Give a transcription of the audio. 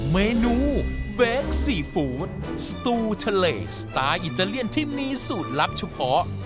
เมนูเบสซีฟู้ดสตูทะเลสไตล์อิตาเลียนที่มีสูตรลับเฉพาะ